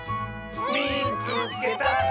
「みいつけた！」。